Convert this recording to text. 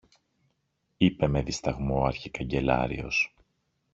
είπε με δισταγμό ο αρχικαγκελάριος.